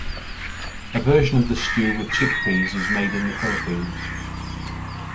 A version of the stew with chickpeas is made in the Philippines.